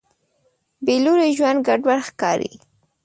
بېلوري ژوند ګډوډ ښکاري.